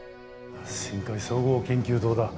深海総合研究棟だ。